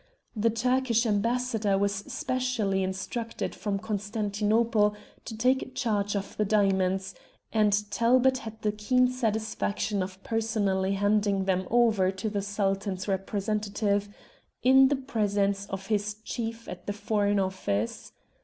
The Turkish Ambassador was specially instructed from Constantinople to take charge of the diamonds, and Talbot had the keen satisfaction of personally handing them over to the Sultan's representative, in the presence of his chief at the Foreign Office.